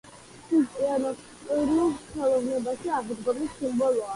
ქრისტიანულ ხელოვნებაში აღდგომის სიმბოლოა.